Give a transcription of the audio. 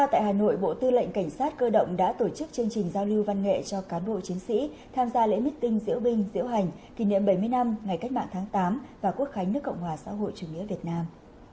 tại hà nội bộ tư lệnh cảnh sát cơ động đã tổ chức chương trình giao lưu văn nghệ cho cán bộ chiến sĩ tham gia lễ meeting diễu binh diễu hành kỷ niệm bảy mươi năm ngày cách mạng tháng tám và quốc khánh nước cộng hòa xã hội chủ nghĩa việt nam